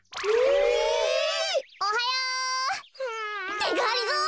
ってがりぞー！？